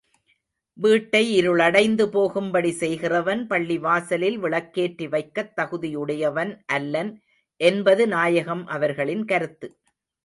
வீட்டை இருளடைந்து போகும்படி செய்கிறவன் பள்ளிவாசலில் விளக்கேற்றி வைக்கத் தகுதியுடையவன் அல்லன் என்பது நாயகம் அவர்களின் கருத்து.